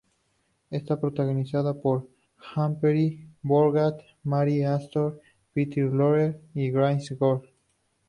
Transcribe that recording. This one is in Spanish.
Está protagonizada por Humphrey Bogart, Mary Astor, Peter Lorre y Gladys George.